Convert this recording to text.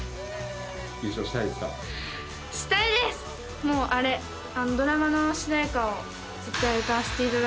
優勝したいですか？